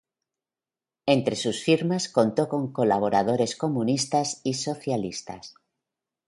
Entre sus firmas contó con colaboradores comunistas y socialistas.